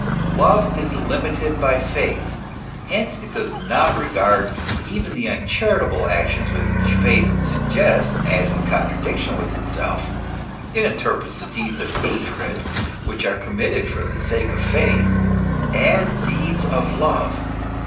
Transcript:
Love is limited by faith ; hence it does not regard even the uncharitable actions which faith suggests as in contradiction with itself; it interprets the deeds of hatred which are committed for the sake of faith as deeds of love.